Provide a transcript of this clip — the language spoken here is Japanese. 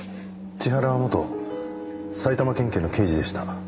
千原は元埼玉県警の刑事でした。